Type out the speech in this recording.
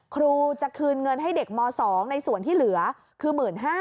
ครูจะคืนเงินให้เด็กม๒ในส่วนที่เหลือคือ๑๕๐๐